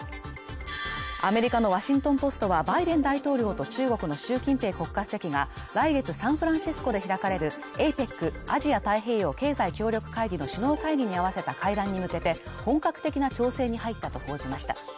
アメリカの「ワシントン・ポスト」はバイデン大統領と中国の習近平国家主席が来月サンフランシスコで開かれるＡＰＥＣ＝アジア太平洋経済協力会議の首脳会議に合わせた会談に向けて本格的な調整に入ったと報じました